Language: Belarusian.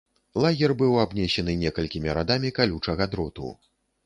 Лагер быў абнесены некалькімі радамі калючага дроту.